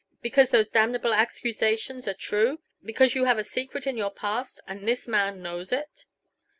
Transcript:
Because those damnable accusations are true? Because you have a secret in your past and this man knows it?"